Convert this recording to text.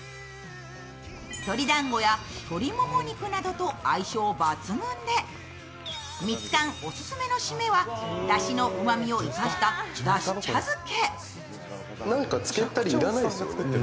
鶏だんごや鶏もも肉などと相性抜群でミツカンオススメの締めは、だしのうまみを生かしただし茶づけ。